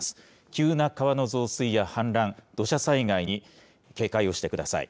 急な川の増水や氾濫、土砂災害に警戒をしてください。